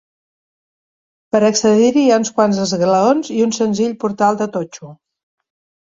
Per accedir-hi hi ha uns quants esglaons i un senzill portal de totxo.